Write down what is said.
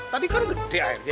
tadi karun gede di air dia